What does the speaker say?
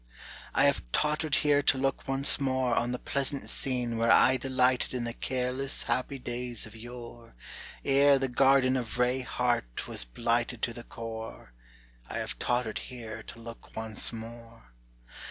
"I have tottered here to look once more On the pleasant scene where I delighted In the careless, happy days of yore, Ere the garden of ray heart was blighted To the core: I have tottered here to look once more.